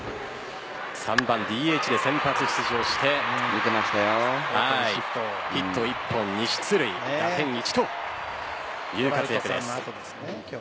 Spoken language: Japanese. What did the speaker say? ３番・ＤＨで先発出場してヒット１本、２出塁打点１という活躍です。